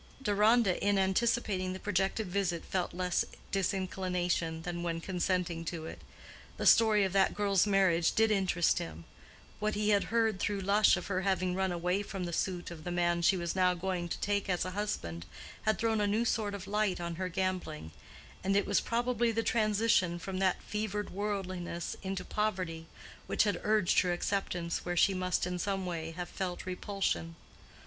Deronda, in anticipating the projected visit, felt less disinclination than when consenting to it. The story of that girl's marriage did interest him: what he had heard through Lush of her having run away from the suit of the man she was now going to take as a husband, had thrown a new sort of light on her gambling; and it was probably the transition from that fevered worldliness into poverty which had urged her acceptance where she must in some way have felt repulsion.